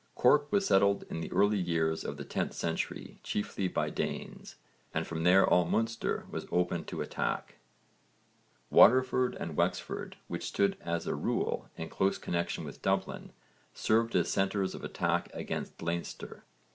Cork was settled in the early years of the 10th century, chiefly by Danes, and from there all Munster was open to attack. Waterford and Wexford, which stood as a rule in close connexion with Dublin, served as centres of attack against Leinster.